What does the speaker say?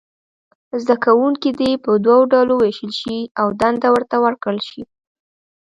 زده کوونکي دې په دوو ډلو وویشل شي او دنده ورته ورکړل شي.